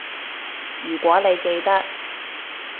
如果你記得